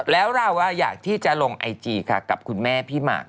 แล้วเราอยากที่จะลงไอจีค่ะกับคุณแม่พี่หมาก